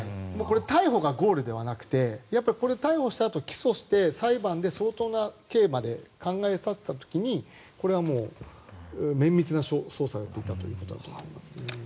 逮捕がゴールではなくて逮捕したあと起訴して、裁判で相当な刑まで考えていた時にこれは綿密な捜査ができたということだと思いますね。